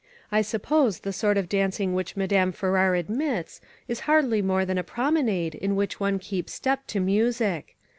I suppose the sort of dancing which Madame Farrar admits is hardly more than a promenade in which one keeps step to music.